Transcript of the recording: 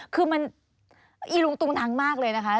คือมันอีลุงตุงนังมากเลยนะคะ